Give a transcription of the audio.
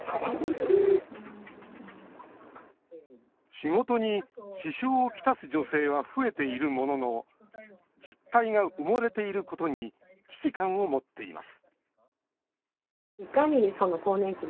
仕事に支障をきたす女性は増えているものの実態が埋もれていることに危機感を持っています